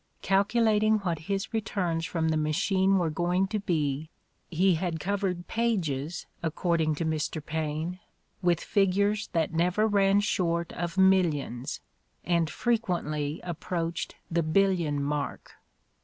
Calculating what his returns from the machine were going to be, he had "covered pages," according to Mr. Paine, "with figures that never ran short of millions, and frequently approached the billion mark."